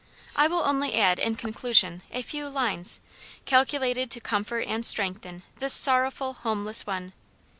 I will only add in conclusion, a few lines, calculated to comfort and strengthen this sorrowful, homeless one.